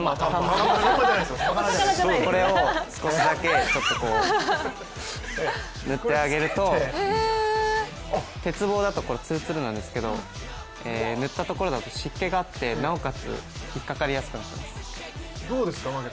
これを少しだけちょっと塗ってあげると、鉄棒だとつるつるなんですけど、塗ったところだと湿気があってなおかつ引っ掛かりやすくなってます。